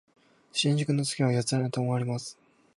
新宿の次は四谷に止まります。